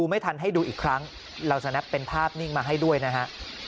ไม่ทันให้ดูอีกครั้งเราจะนับเป็นภาพนิ่งมาให้ด้วยนะฮะ